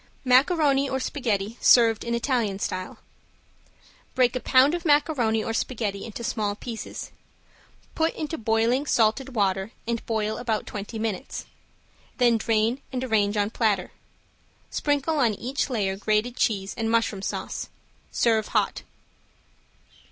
~MACARONI OR SPAGHETTI SERVED IN ITALIAN STYLE~ Break a pound of macaroni or spaghetti into small pieces. Put into boiling salted water and boil about twenty minutes. Then drain and arrange on platter. Sprinkle on each layer grated cheese and mushroom sauce. Serve hot.